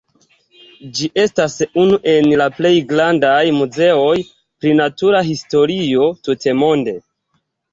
Ĝi estas unu el la plej grandaj muzeoj pri natura historio tutmonde.